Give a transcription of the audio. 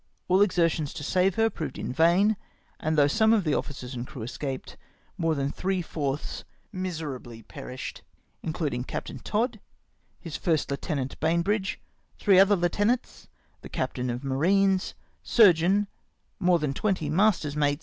All exertions to save her proved in vain, and though some of the officers and crew escaped, more than three fourths miserably pe rished, including Captain Todd, his first lieutenant, Bainbridge, three other lieutenants, the captain of marines, surgeon, more than twenty master's mates ACTION WITH FRIVATEERS OFF CABRITTA POINT.